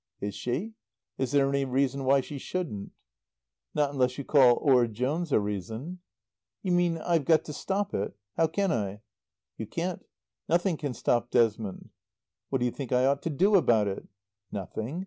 "Is she? Is there any reason why she shouldn't?" "Not unless you call Orde Jones a reason." "You mean I've got to stop it? How can I?" "You can't. Nothing can stop Desmond." "What do you think I ought to do about it?" "Nothing.